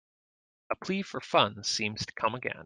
A plea for funds seems to come again.